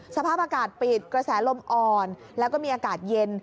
สภาพอากาศปิดกระแสลมอ่อนแล้วก็มีอากาศเย็น